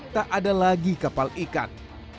tak ada lagi kapal ikan